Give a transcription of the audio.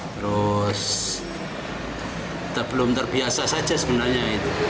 terus belum terbiasa saja sebenarnya itu